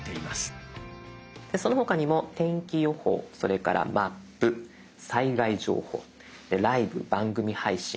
その他にも天気予報それからマップ災害情報ライブ・番組配信